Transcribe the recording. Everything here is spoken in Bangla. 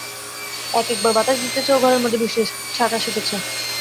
এক-এক বার বাতাস দিতেছে ও ঘরের মধ্যে বৃষ্টির ছাঁট আসিতেছে।